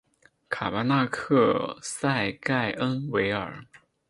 卡巴纳克塞盖恩维尔。